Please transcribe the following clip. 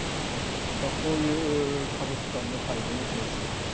こういう家族間の介護のケースもあります。